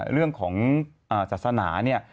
เรื่องของศาสนาเนี่ย